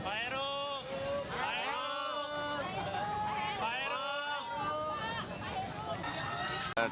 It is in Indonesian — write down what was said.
pak herung pak herung pak herung